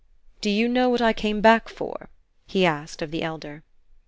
"Do you know what I came back for?" he asked of the elder.